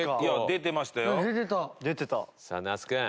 さあ那須君。